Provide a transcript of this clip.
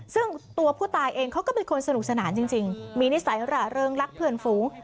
ซึ่งตัวผู้ตายเองเขาก็เป็นคนสนุกสนานจริงมีนิสัยหร่าเริงรักเพื่อนฝูง